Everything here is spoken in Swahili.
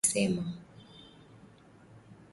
Watu wanahitaji kupata haki kwa wakati Harris alisema